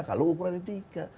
kalo ukuran etika